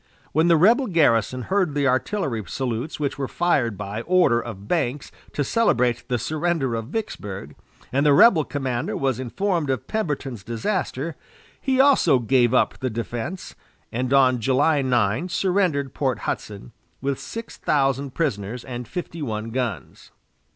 When the rebel garrison heard the artillery salutes which were fired by order of Banks to celebrate the surrender of Vicksburg, and the rebel commander was informed of Pemberton's disaster, he also gave up the defense, and on July 9 surrendered Port Hudson with six thousand prisoners and fifty one guns.